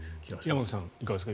山口さんはいかがですか。